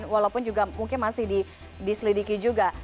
walaupun mungkin masih di selidiki juga